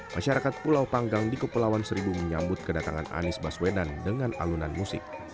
masyarakat pulau panggang di kepulauan seribu menyambut kedatangan anies baswedan dengan alunan musik